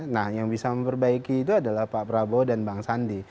nah yang bisa memperbaiki itu adalah pak prabowo dan bang sandi